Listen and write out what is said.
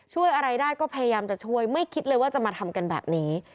ช่วยอะไรได้ก็พยายามจะช่วยไม่คิดเลยว่าจะมาทำกันแบบนี้